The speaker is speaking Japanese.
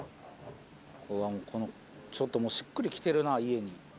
ちょっともうしっくり来てるな家に。